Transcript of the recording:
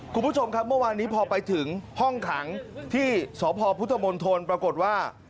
คุณผู้ชมครับเมื่อวานนี้พอไปถึงห้องขังที่สพพุทธมณฑลปรากฏว่า